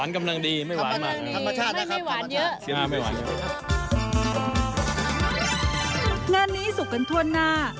งานนี้สุกกันทวนหน้า